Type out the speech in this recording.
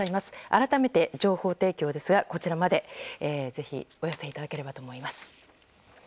改めて情報提供はこちらまでお寄せいただければと思います。